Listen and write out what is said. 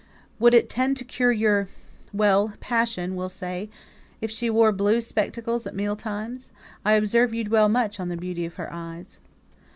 "Would it tend to cure your well! passion, we'll say if she wore blue spectacles at meal times? I observe you dwell much on the beauty of her eyes."